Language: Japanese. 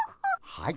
はい。